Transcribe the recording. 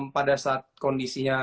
pada saat kondisinya